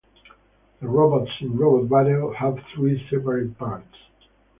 The robots in Robot Battle have three separate parts.